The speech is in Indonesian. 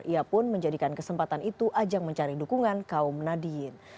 ia pun menjadikan kesempatan itu ajang mencari dukungan kaum nadiyin